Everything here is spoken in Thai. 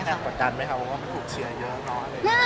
อเจมส์แกประจัดไหมคะว่าไม่ถูกเชียร์เยอะหรอ